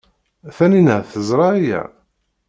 Taninna teẓra aya?